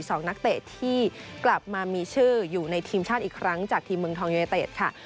สองนักเตะที่กลับมามีชื่ออยู่ในทีมชาติอีกครั้งจากทีมเมืองทองยูเนเต็ดค่ะ